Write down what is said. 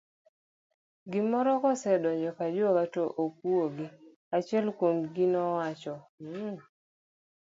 gimoro kosedonjo kajwoga to ok wuogi, achiel kuomgi nowacho mh!